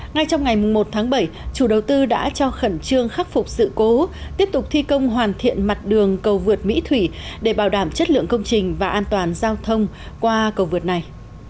ngay trong ngày một tháng bảy chủ đầu tư đã cho khẩn trương khắc phục sự cố tiếp tục thi công hoàn thiện mặt đường cầu vượt mỹ thủy để bảo đảm chất lượng công trình và an toàn giao thông qua cầu vượt này